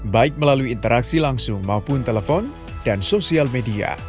baik melalui interaksi langsung maupun telepon dan sosial media